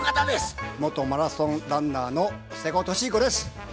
元マラソンランナーの瀬古利彦です。